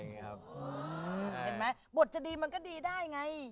เห็นไหมบทจะดีมันก็ดีได้ไง